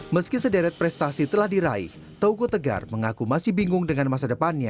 meski sederet prestasi telah diraih toko tegar mengaku masih bingung dengan masa depannya